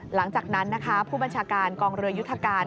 หลังจากนั้นนะคะผู้บัญชาการกองเรือยุทธการ